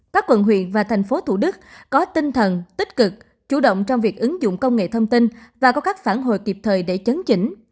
các quận huyện và thành phố thủ đức có tinh thần tích cực chủ động trong việc ứng dụng công nghệ thông tin và có các phản hồi kịp thời để chấn chỉnh